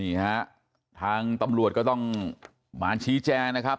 นี่ฮะทางตำรวจก็ต้องมาชี้แจงนะครับ